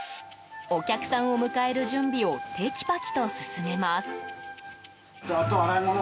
お客さんを迎える準備をてきぱきと進めます。